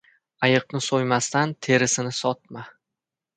• Ayiqni so‘ymasdan terisini sotma.